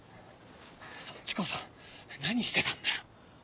そっちこそ何してたんだよ？